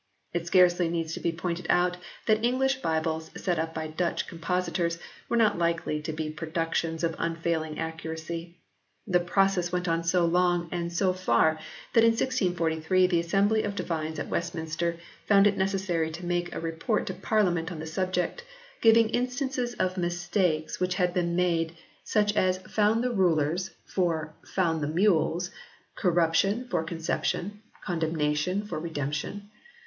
It scarcely needs to be pointed out that English Bibles set up by Dutch compositors were not likely to be productions of unfailing accuracy. The process went on so long and so far that in 1643 the Assembly of Divines at Westminster found it necessary to make a report to Parliament on the subject, giving instances of mistakes which had been made, such as " found the vn] THE REVISED VERSION OF 1881 117 rulers" for "found the mules"; "corruption" for "conception"; "condemnation" for "redemption."